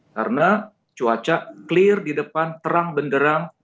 karena cuaca clear di depan terang benderang